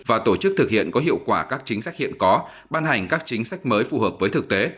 và tổ chức thực hiện có hiệu quả các chính sách hiện có ban hành các chính sách mới phù hợp với thực tế